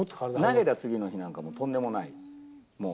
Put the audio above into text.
投げた次の日なんかとんでもない、もう。